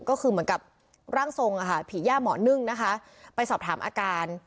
ก็คือเหมือนกับร่างทรงผีย่าหมอนึ่งนะคะไปสอบถามอาการ